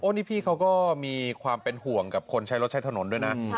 นี่พี่เขาก็มีความเป็นห่วงกับคนใช้รถใช้ถนนด้วยนะ